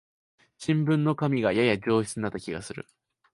新聞の紙がやや上質になった気がする